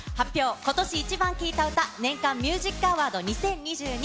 今年イチバン聴いた歌年間ミュージックアワード２０２２。